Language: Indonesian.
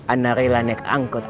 ana berani menyerah